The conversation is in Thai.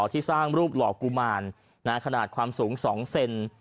ที่สร้างรูปหล่อกุมารขนาดความสูง๒เซน